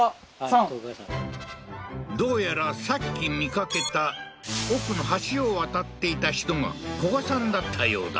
どうやらさっき見かけた奥の橋を渡っていた人がコガさんだったようだ